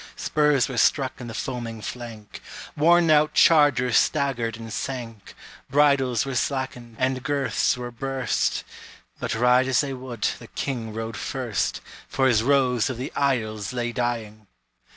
Spurs were struck in the foaming flank; Worn out chargers staggered and sank; Bridles were slackened, and girths were burst; But ride as they would, the king rode first, For his rose of the isles lay dying!